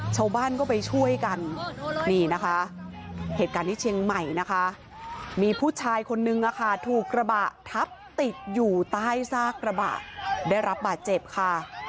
ชาวบ้านก็ไปช่วยกันนี่นะคะเหตุการณ์ที่เชียงใหม่นะคะมีผู้ชายคนนึงนะคะถูกกระบะทับติดอยู่ใต้ซากกระบะได้รับบาดเจ็บค่ะ